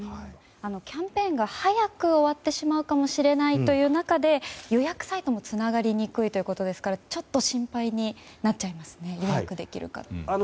キャンペーンが早く終わってしまうかもしれない中で予約サイトも、つながりにくいということですからちょっと心配になっちゃいますね予約できるか。